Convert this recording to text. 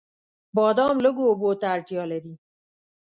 بادام لږو اوبو ته اړتیا لري.